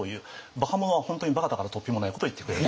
バカ者は本当にバカだからとっぴもないことを言ってくれる。